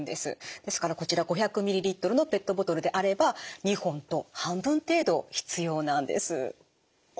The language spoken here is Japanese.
ですからこちら５００ミリリットルのペットボトルであれば２本と半分程度必要なんです。